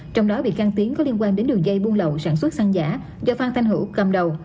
trong đó bị can tiến có liên quan đến đường dây buôn lẩu sản xuất xăng giả do phan thanh hữu cầm đầu